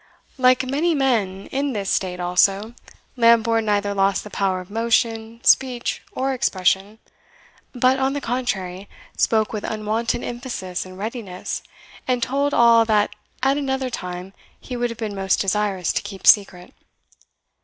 Like many men in this state also, Lambourne neither lost the power of motion, speech, or expression; but, on the contrary, spoke with unwonted emphasis and readiness, and told all that at another time he would have been most desirous to keep secret.